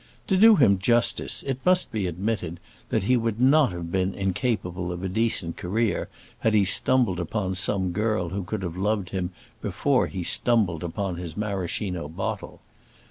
To do him justice it must be admitted that he would not have been incapable of a decent career had he stumbled upon some girl who could have loved him before he stumbled upon his maraschino bottle.